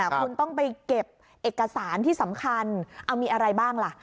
คุณต้องไปเก็บเอกสารที่สำคัญเอามีอะไรบ้างล่ะ